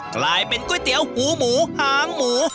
กลายเป็นก๋วยเตี๋ยวหูหมูหางหมู